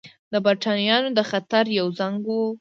دا برېټانویانو ته د خطر یو زنګ وو.